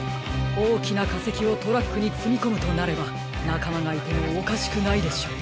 おおきなかせきをトラックにつみこむとなればなかまがいてもおかしくないでしょう。